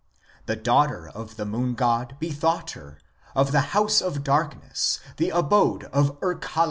], The daughter of the moon god bethought her Of the house of darkness, the abode of Irkalla (i.